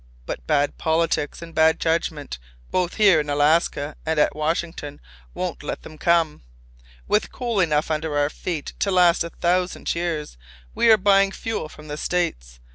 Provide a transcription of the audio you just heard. But bad politics and bad judgment both here in Alaska and at Washington won't let them come. With coal enough under our feet to last a thousand years, we are buying fuel from the States.